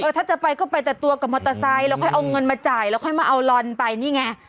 ถ้าจะไปก็ไปแต่ตัวกับมอเตอร์ไซค์แล้วค่อยเอาเงินมาจ่ายแล้วค่อยมาเอาลอนไปนี่ไง